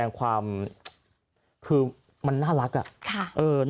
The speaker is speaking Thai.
แสดงความคือมันน่ารักอ่ะ